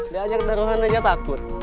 dia ajak taruhan aja takut